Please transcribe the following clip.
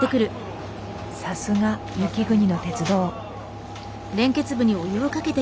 さすが雪国の鉄道。